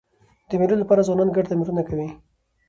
د مېلو له پاره ځوانان ګډو تمرینونه کوي.